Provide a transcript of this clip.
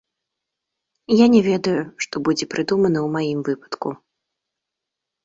Я не ведаю, што будзе прыдумана ў маім выпадку.